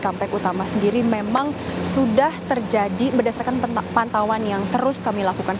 kampung utama sendiri memang sudah terjadi berdasarkan pantauan yang terus kami lakukan